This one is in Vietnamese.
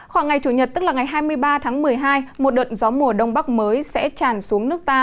khoảng ngày chủ nhật tức là ngày hai mươi ba tháng một mươi hai một đợt gió mùa đông bắc mới sẽ tràn xuống nước ta